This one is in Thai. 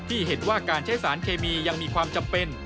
ที่เห็นว่าการใช้สารเคมียังมีความจำเป็น